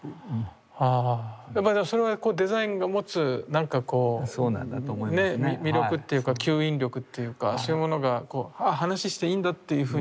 やっぱりそれはデザインが持つ何かこう魅力というか吸引力というかそういうものが話していいんだっていうふうに思わせる。